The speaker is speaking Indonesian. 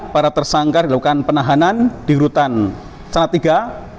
para tersangka dilakukan penahanan di rutan salatiga